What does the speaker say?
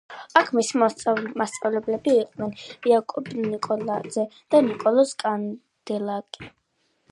აქ მისი მასწავლებლები იყვნენ იაკობ ნიკოლაძე და ნიკოლოზ კანდელაკი.